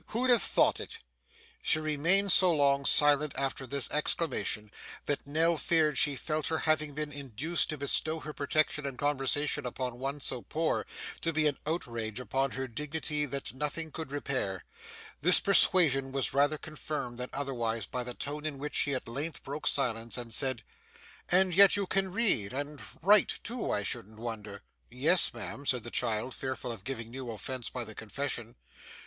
Who'd have thought it!' She remained so long silent after this exclamation, that Nell feared she felt her having been induced to bestow her protection and conversation upon one so poor, to be an outrage upon her dignity that nothing could repair. This persuasion was rather confirmed than otherwise by the tone in which she at length broke silence and said, 'And yet you can read. And write too, I shouldn't wonder?' 'Yes, ma'am,' said the child, fearful of giving new offence by the confession.